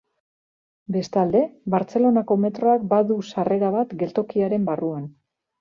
Bestalde, Bartzelonako metroak badu sarrera bat geltokiaren barruan.